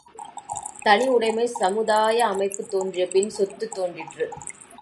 தனி உடைமைச் சமுதாய அமைப்பு தோன்றிய பின் சொத்து தோன்றிற்று.